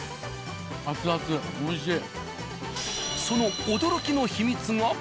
その驚きの秘密が。